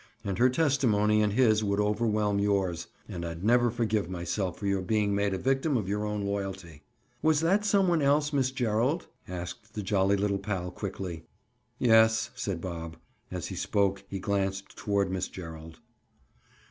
And her testimony and his would overwhelm yours. And I'd never forgive myself for your being made a victim of your own loyalty." "Was that some one else Miss Gerald?" asked the jolly little pal quickly. "Yes," said Bob. As he spoke he glanced toward Miss Gerald.